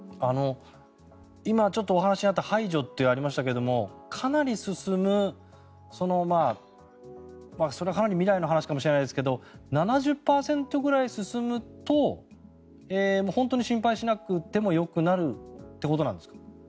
今、お話に合った排除とありますがかなり進む、それはかなり未来の話かもしれないですけど７０％くらい進むと本当に心配しなくてもよくなるということなんですか？